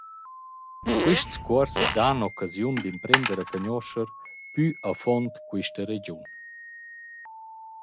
Quists cuors dan occasiun d’imprender a cugnuoscher plü a fuond quista regiun.